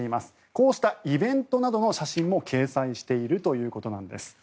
こうしたイベントなどの写真も掲載しているということです。